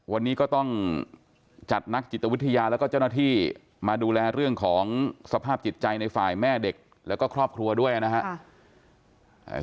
วันนี้ก็ต้องจัดนักจิตวิทยาแล้วก็เจ้าหน้าที่มาดูแลเรื่องของสภาพจิตใจในฝ่ายแม่เด็กแล้วก็ครอบครัวด้วยนะครับ